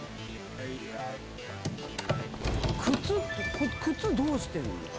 靴靴どうしてんのか？